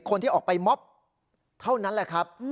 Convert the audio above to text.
คนที่ออกไปมอบเท่านั้นแหละครับ